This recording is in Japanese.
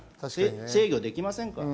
制御できません。